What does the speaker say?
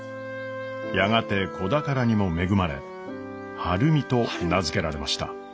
やがて子宝にも恵まれ晴海と名付けられました。